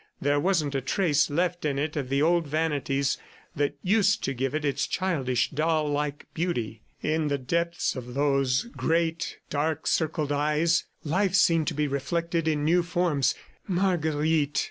There wasn't a trace left in it of the old vanities that used to give it its childish, doll like beauty. In the depths of those great, dark circled eyes life seemed to be reflected in new forms. ... Marguerite!